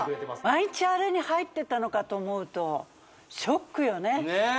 毎日あれに入ってたのかと思うとショックよねねえ